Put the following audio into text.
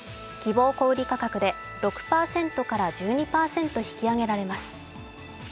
希望小売価格で６％から１２％引き上げられます。